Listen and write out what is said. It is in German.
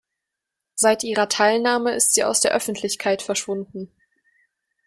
Seit ihrer Teilnahme ist sie aus der Öffentlichkeit verschwunden.